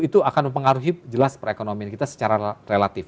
itu akan mempengaruhi jelas perekonomian kita secara relatif